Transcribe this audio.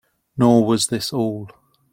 Nor was this all.